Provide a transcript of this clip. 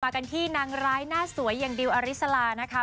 กันที่นางร้ายหน้าสวยอย่างดิวอริสลานะคะ